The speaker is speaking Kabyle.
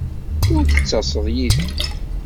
Ur d-ttaseḍ yid-i?